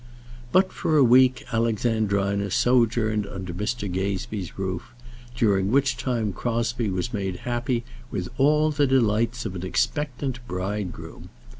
But for a week Alexandrina sojourned under Mr. Gazebee's roof, during which time Crosbie was made happy with all the delights of an expectant bridegroom.